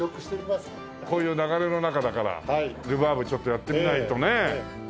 こういう流れの中だからルバーブちょっとやってみないとね！